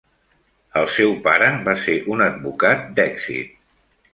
El seu pare va ser un advocat d'èxit.